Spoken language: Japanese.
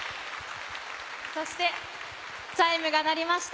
そしてチャイムが鳴りました。